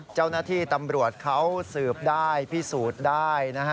เจ้าหน้าที่ตำรวจเขาสืบได้พิสูจน์ได้นะฮะ